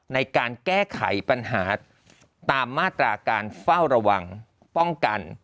ในการแก้ไขปัญหาตามมาตราการเฝ้าระวังป้องกัน